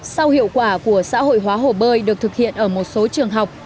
sau hiệu quả của xã hội hóa hồ bơi được thực hiện ở một số trường học